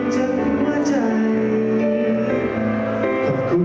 เดี๋ยวเราจะมาสิ้น